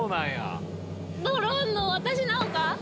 ドローンの私なのか？